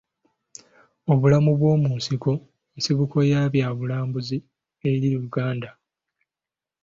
Obulamu bw'omu nsiko nsibuko ya bya bulambuzi eri Uganda.